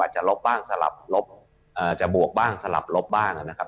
จะลบบ้างสลับลบจะบวกบ้างสลับลบบ้างนะครับ